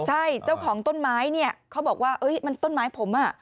ใช่เจ้าของต้นไม้เนี่ยเขาบอกว่ามันต้นไม้ผมอ่ะ